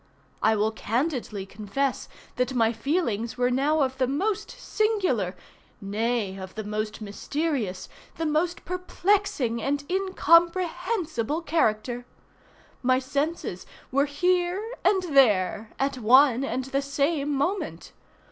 I will candidly confess that my feelings were now of the most singular—nay, of the most mysterious, the most perplexing and incomprehensible character. My senses were here and there at one and the same moment.